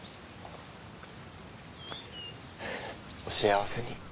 お幸せに。